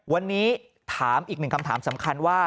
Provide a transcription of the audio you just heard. วันนี้ถามอีกหนึ่งคำถามสำคัญว่า